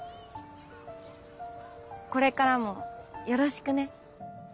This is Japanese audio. これからもよろしくね。